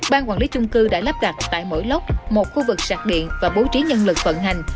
ban quản lý chung cư đã lắp đặt tại mỗi lốc một khu vực sạc điện và bố trí nhân lực vận hành